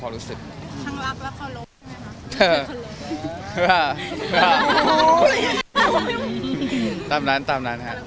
ฮืออ่า